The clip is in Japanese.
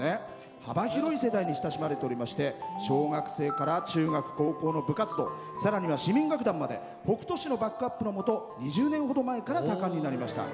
幅広い世代に親しまれておりまして小学生から中学高校の部活動さらには市民楽団まで北斗市のバックアップのもと２０年ほど前から盛んになりました。